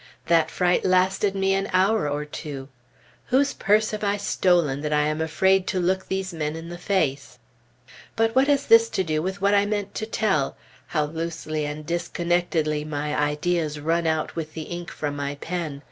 That fright lasted me an hour or two. Whose purse have I stolen, that I am afraid to look these men in the face? But what has this to do with what I meant to tell? How loosely and disconnectedly my ideas run out with the ink from my pen!